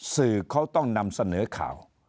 สื่อเขาต้องนำเสนอข่าว